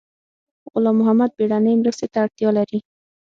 غلام محد بیړنۍ مرستې ته اړتیا لري